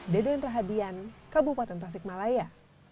deden rahadian kabupaten tasikmalaya